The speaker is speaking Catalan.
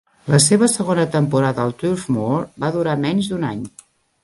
La seva segona temporada al Turf Moor va durar menys d'un any